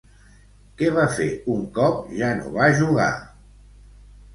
Què va fer un cop ja no va jugar?